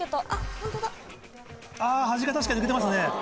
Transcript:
ホントだ・あ端が確かに抜けてますね。